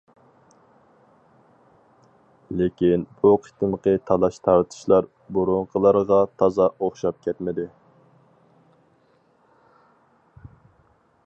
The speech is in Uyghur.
لېكىن بۇ قېتىمقى تالاش- تارتىشلار بۇرۇنقىلىرىغا تازا ئوخشاپ كەتمىدى.